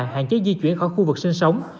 hạn chế di chuyển khỏi khu vực sinh sống